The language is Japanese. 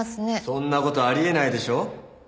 そんな事ありえないでしょ！